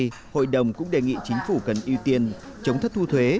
trong thời gian tới hội đồng cũng đề nghị chính phủ cần ưu tiên chống thất thu thuế